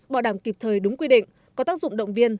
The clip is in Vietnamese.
bảo đảm kịp thời đúng quy định có tác dụng động viên